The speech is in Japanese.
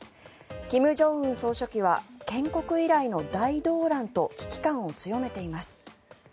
金正恩総書記は建国以来の大動乱と危機感を強めています。